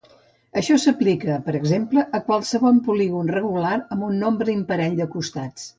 Això s'aplica, per exemple, a qualsevol polígon regular amb un nombre imparell de costats.